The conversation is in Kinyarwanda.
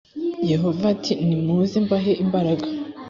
yehova ati nimuze mbahe imbaraga